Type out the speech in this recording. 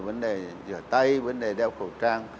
vấn đề rửa tay vấn đề đeo khẩu trang